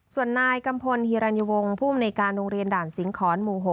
ส่วนนายกัมพลฮิรัญวงศ์ผู้อำนวยการโรงเรียนด่านสิงหอนหมู่๖